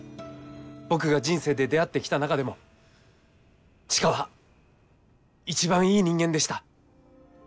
僕が人生で出会ってきた中でも千佳は一番いい人間でした。